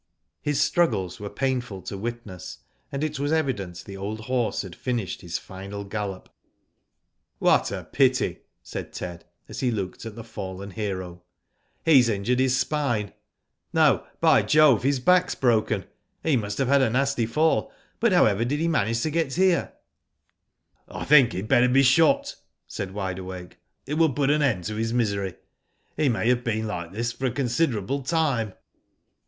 His struggles were painful to witness, and it was evident the old horse had finished his final gallop. *'What a pity," said Ted, as he looked at the fallen hero. *' He's injured his spine. No, by Jove ! his back's broken. He must have had a nasty fall, but however did he manage to get here ?" Digitized byGoogk 288 WHO DID ITf ''I think he had better be shot/' said Wide Awake. "It will put an end to his misery. He may have been like this for a considerable time."